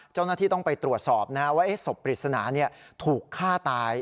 เจ้าหน้าที่ต้องไปตรวจสอบว่าศพปริศนาถูกฆ่าตาย